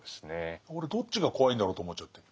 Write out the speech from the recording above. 俺どっちが怖いんだろうと思っちゃって。